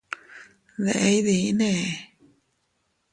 ¿Deʼe iydinne?